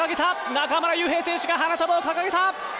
中村悠平選手が花束を掲げた！